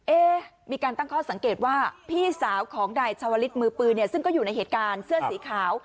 เอ๊มีการตั้งข้อสังเกตว่าพี่สาวของนายชาวลิศมือปืนเนี่ยซึ่งก็อยู่ในเหตุการณ์เสื้อสีขาว